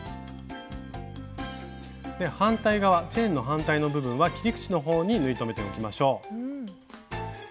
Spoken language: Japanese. で反対側チェーンの反対の部分は切り口の方に縫い留めておきましょう。